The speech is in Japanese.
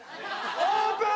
オープン！